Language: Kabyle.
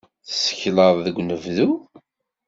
Tessakleḍ deg unebdu?